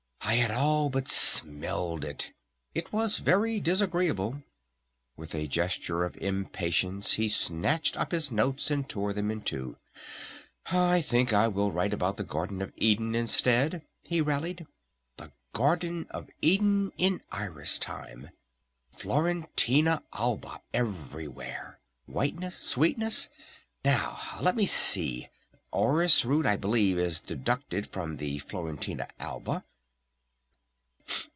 I had all but smelled it. It was very disagreeable." With a gesture of impatience he snatched up his notes and tore them in two. "I think I will write about the Garden of Eden instead!" he rallied. "The Garden of Eden in Iris time! Florentina Alba everywhere! Whiteness! Sweetness! Now let me see, orris root I believe is deducted from the Florentina Alba